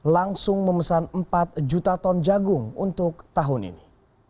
langsung memesan empat juta ton jagung untuk tahun ini